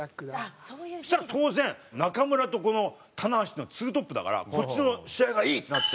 そしたら当然中邑とこの棚橋の２トップだからこっちの試合がいい！ってなって。